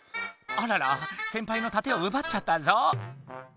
あらら先輩の盾をうばっちゃったぞ。